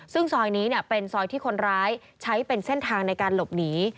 ซึ่งซอยนี้เป็นซอยที่คนร้ายใช้เป็นเส้นทางในการหลบหนี